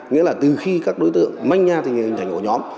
nghĩa là từ khi các đối tượng manh nha hình thành của nhóm